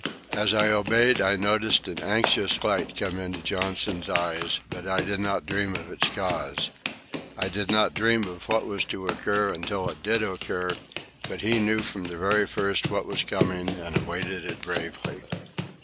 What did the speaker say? As I obeyed I noticed an anxious light come into Johnson's eyes, but I did not dream of its cause. I did not dream of what was to occur until it did occur, but he knew from the very first what was coming and awaited it bravely.